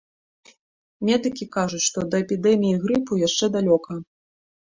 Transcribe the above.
Медыкі кажуць, што да эпідэміі грыпу яшчэ далёка.